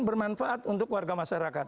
dan bermanfaat untuk warga masyarakat